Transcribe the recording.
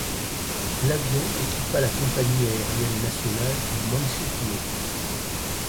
L'avion équipa la Compagnie aérienne nationale du Mandchoukouo.